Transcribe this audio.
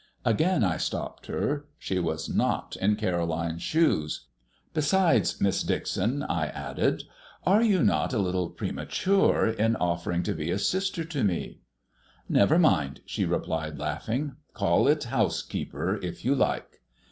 Again I stopped her. She was not in Caroline's shoes. "Besides, Miss Dixon," I added, "are you not a little premature in offering to be a sister to me?" "Never mind," she replied, laughing; "call it housekeeper, if you like."